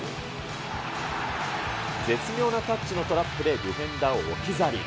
絶妙なタッチのトラップでディフェンダーを置き去り。